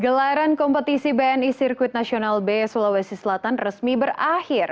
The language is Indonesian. gelaran kompetisi bni sirkuit nasional b sulawesi selatan resmi berakhir